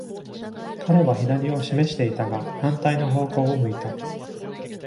彼は左を示していたが、反対の方向を向いた。